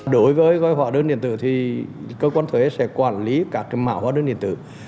đối với hóa đơn điện tử thì cơ quan thuế sẽ quản lý các mã hóa đơn điện tử